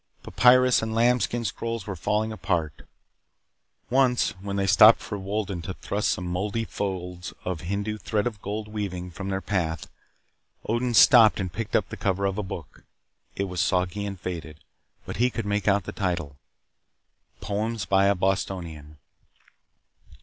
Papyrus and lambskin scrolls were falling apart. Once, when they stopped for Wolden to thrust some moldy folds of Hindu thread of gold weaving from their path, Odin stopped and picked up the cover of a book. It was soggy and faded. But he could make out the title: "Poems by a Bostonian."